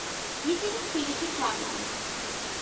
ისინი თბილისში ჩავიდნენ.